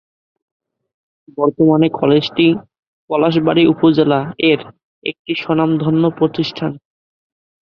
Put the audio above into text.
বর্তমানে কলেজটি পলাশবাড়ী উপজেলা এর একটি স্বনামধন্য প্রতিষ্ঠান।